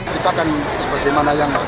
kita akan sebagaimana yang